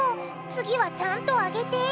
次はちゃんと揚げて！